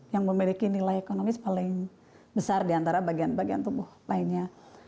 yang memiliki nilai ekonomis paling besar diantara bagian bagian tubuh lainnya